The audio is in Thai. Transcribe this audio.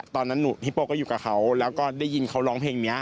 ตอนนั้นฮิปโป้ก็อยู่กับเขาแล้วก็ได้ยินเขาร้องเพลงนี้